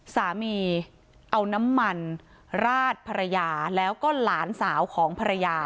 สามีเอาน้ำมันราดภรรยาแล้วก็หลานสาวของภรรยา